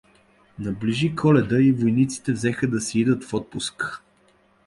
Наближи Коледа и войниците взеха да си идат в отпуск.